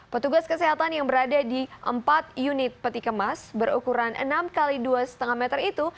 petugas kesehatan yang berada di empat unit peti kemas berukuran enam x dua lima meter itu